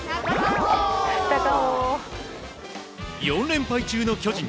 ４連敗中の巨人。